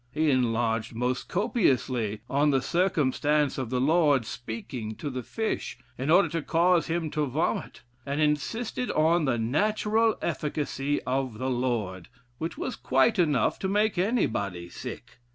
He enlarged, most copiously, on the circumstance of the Lord speaking to the fish, in order to cause him to vomit; and insisted on the natural efficacy of the Lord, which was quite enough to make anybody sick.